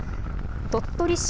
鳥取市